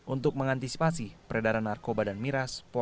untuk mengantisipasi peredaran narkoba dan miras